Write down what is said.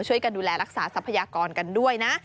ช่วยกันดูแลรักษาทรัพยากรกันด้วยนะ